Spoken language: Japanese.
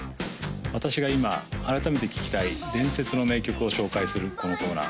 私が今改めて聴きたい伝説の名曲を紹介するこのコーナー